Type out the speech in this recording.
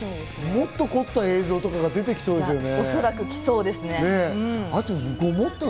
もっと凝った映像とかが出てきそうですね。